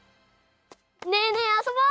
ねえねえあそぼう！